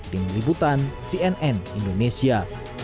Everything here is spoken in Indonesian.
tim liputan cnn indonesia